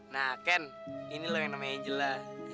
nah ken inilah yang namanya angela